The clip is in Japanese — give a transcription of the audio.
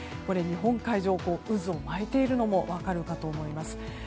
日本海上、渦を巻いているのも分かるかと思います。